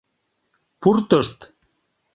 Пуртышт.